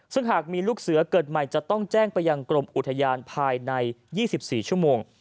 ซึ่งหากมีลูกเสือเกิดใหม่จะต้องแจ้งไปยังกรมอุทยานภายใน๒๔ชั่วโมง